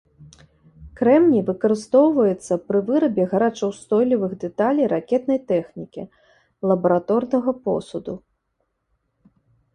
Крэмній выкарыстоўваецца пры вырабе гарачаўстойлівых дэталей ракетнай тэхнікі, лабараторнага посуду.